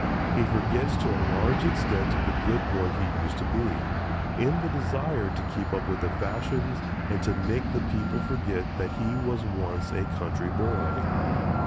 He forgets to a large extent the good boy he used to be, in the desire to keep up with the fashions and to make the people forget that he was once a country boy.